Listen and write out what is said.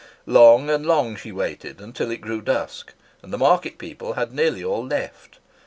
Long and long she waited, until it grew dusk, and the market people had nearly all left.